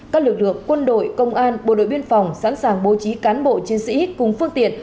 các lực lượng quân đội công an bộ đội biên phòng sẵn sàng bố trí cán bộ chiến sĩ cùng phương tiện